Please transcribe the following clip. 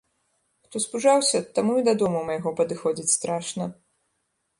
Хто спужаўся, таму і да дому майго падыходзіць страшна.